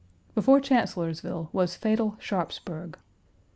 Before Chancellorsville, was fatal Sharpsburg.